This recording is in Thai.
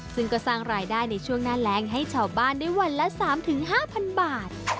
ซึ่งก็สร้างรายได้ในช่วงหน้าแรงให้ชาวบ้านได้วันละ๓๕๐๐๐บาท